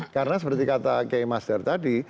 karena seperti kata k master tadi